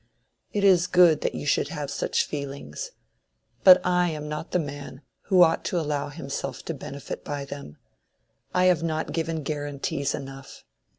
"It is good that you should have such feelings. But I am not the man who ought to allow himself to benefit by them. I have not given guarantees enough.